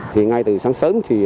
thì ngay từ sáng sớm thì